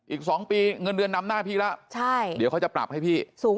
อีก๒ปีเงินเดือนนำหน้าพี่แล้วเดี๋ยวเขาจะปรับให้พี่